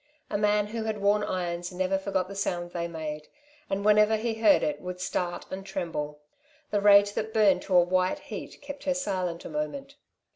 A man who had worn irons never forgot the sound they made, and whenever he heard it would start and tremble. The rage that burned to a white heat kept her silent a moment.